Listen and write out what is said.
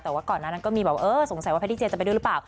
แต่ว่าก่อนนั้นก็มีบอกว่าสงสัยว่าพระดิเจนจะไปด้วยหรือเปล่า